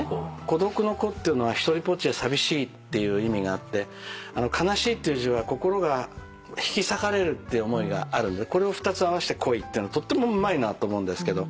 「孤独」の「孤」っていうのは独りぽっちで寂しいっていう意味があって「悲しい」っていう字は心が引き裂かれるって思いがあるんでこれを２つ合わして「孤悲」ってのとってもうまいなと思うんですが。